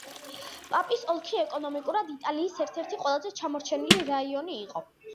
პაპის ოლქი ეკონომიკურად იტალიის ერთ-ერთი ყველაზე ჩამორჩენილი რაიონი იყო.